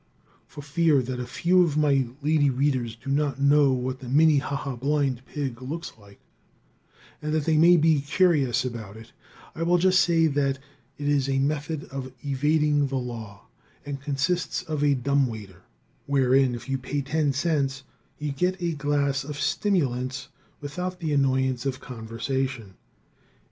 For fear that a few of my lady readers do not know what the Minnehaha blind pig looks like, and that they may be curious about it, I will just say that it is a method of evading the law, and consists of a dumb waiter, wherein, if you pay ten cents, you get a glass of stimulants without the annoyance of conversation.